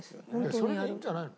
それがいいんじゃないの？